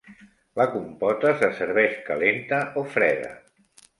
La compota se serveix calenta o freda.